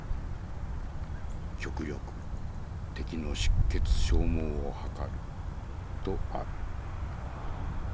極力敵の出血消耗を図る」とある。